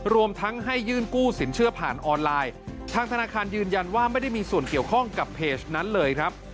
รวมทั้งให้ยื่นกู้สินเชื่อผ่านออนไลน์ทางธนาคารยืนยันว่าไม่ได้มีส่วนเกี่ยวข้องกับเพจนั้นเลยครับ